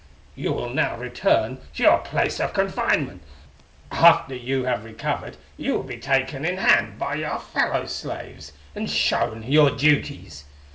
"You will now return to your place of confinement. After you have recovered you will be taken in hand by your fellow slaves and shown your duties.